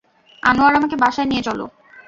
আনোয়ার, আমাকে বাসায় নিয়ে চলো।